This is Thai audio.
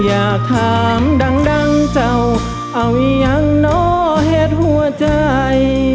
อยากถามดังดังเจ้าเอายังเนาะเห็ดหัวใจ